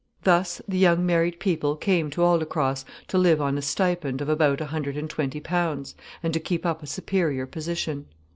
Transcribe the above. Thus the young married people came to Aldecross to live on a stipend of about a hundred and twenty pounds, and to keep up a superior position.